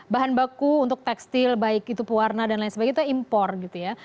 bahan baku untuk tekstil baik itu pewarna dan lain sebagainya itu impor gitu ya